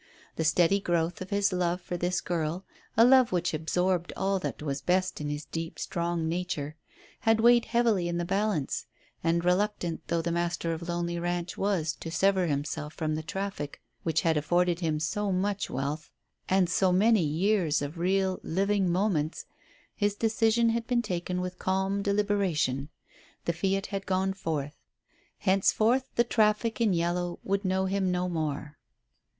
The steady growth of his love for this girl, a love which absorbed all that was best in his deep, strong nature, had weighed heavily in the balance; and, reluctant though the master of Lonely Ranch was to sever himself from the traffic which had afforded him so much wealth, and so many years of real, living moments, his decision had been taken with calm deliberation; the fiat had gone forth. Henceforth the traffic in yellow would know him no more.